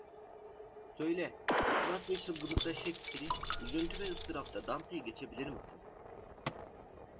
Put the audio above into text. Söyle, ihtiras ve çılgınlıkta Shakespeare'i, üzüntü ve ıstırapta Dante'yi geçebilir misin?